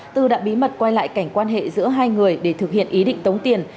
tư đã bí mật quay lại cảnh quan hệ giữa hai người để thực hiện ý định tống tiền